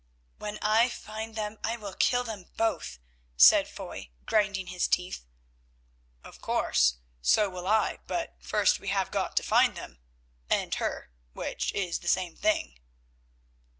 "When I find them I will kill them both," said Foy, grinding his teeth. "Of course, so will I, but first we have got to find them—and her, which is the same thing."